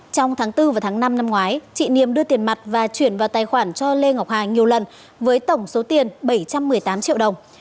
trong tháng bốn và tháng năm năm ngoái chị niềm đưa tiền mặt và chuyển vào tài khoản cho lê ngọc hà nhiều lần với tổng số tiền bảy trăm một mươi tám triệu đồng